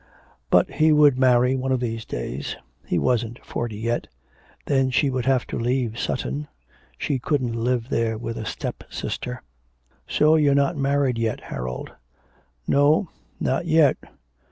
But he would marry one of these days. He wasn't forty yet. Then she would have to leave Sutton, she couldn't live there with a step sister. 'So you're not married yet, Harold.' 'No, not yet.'